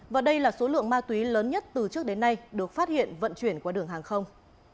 và đây là số lượng ma túy lớn nhất từ trước đến nay được phát hiện vận chuyển qua đường hàng không